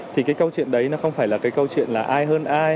thì cái câu chuyện đấy nó không phải là cái câu chuyện là ai hơn ai